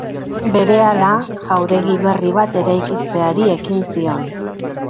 Berehala jauregi berri bat eraikitzeari ekin zion.